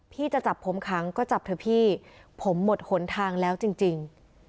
พี่จะจับผมครั้งก็จับเถอะพี่ผมหมดหนทางแล้วจริงจริง